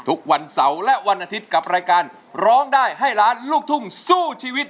ทุกวันเสาร์และวันอาทิตย์กับรายการร้องได้ให้ล้านลูกทุ่งสู้ชีวิต